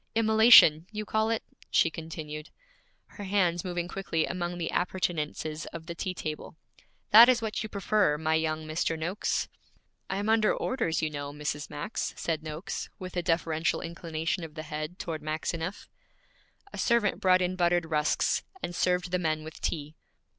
Immolation, you call it?' she continued, her hands moving quickly among the appurtenances of the tea table. 'That is what you prefer, my young Mr. Noakes.' 'I am under orders, you know, Mrs. Max,' said Noakes, with a deferential inclination of the head toward Maxineff. A servant brought in buttered rusks, and served the men with tea.